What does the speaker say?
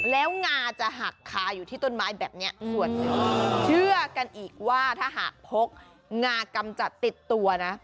แล้วงาจะหักคาอยู่ที่ต้นไม้แบบนี้ส่วนหนึ่งเชื่อกันอีกว่าถ้าหากพกงากำจัดติดตัวนะ